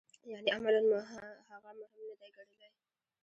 یعنې عملاً مو هغه مهم نه دی ګڼلی.